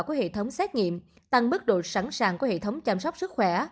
của hệ thống xét nghiệm tăng mức độ sẵn sàng của hệ thống chăm sóc sức khỏe